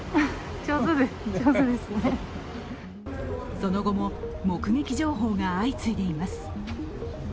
その後も目撃情報が相次いでいます。